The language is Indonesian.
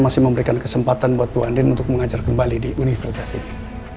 masih memberikan kesempatan buat bu andin untuk mengajar kembali di universitas ini